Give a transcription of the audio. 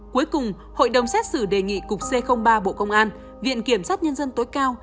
cuối cùng hội đồng xét xử đề nghị cục c ba bộ công an viện kiểm sát nhân dân tối cao